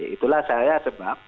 itulah saya sebab